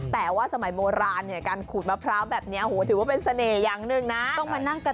แต่ว่าสมัยโบราณเนี่ยการขูดมะพร้าวแบบนี้โหถือว่าเป็นเสน่ห์อย่างหนึ่งนะ